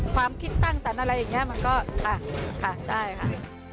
ความคิดสร้างสรรค์อะไรอย่างนี้มันก็ค่ะใช่ค่ะ